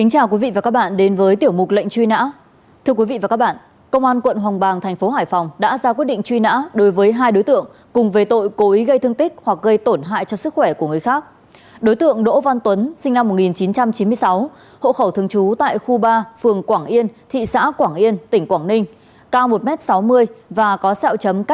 hãy đăng ký kênh để ủng hộ kênh của chúng mình nhé